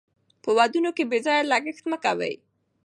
په ودونو کې بې ځایه لګښت مه کوئ.